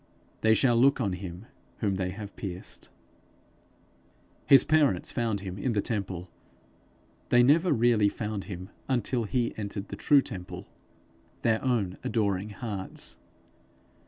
They shall look on him whom they have pierced.' His parents found him in the temple; they never really found him until he entered the true temple their own adoring hearts.